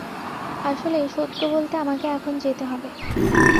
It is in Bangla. আসলে, সত্য বলতে, আমাকে এখন যেতে হবে।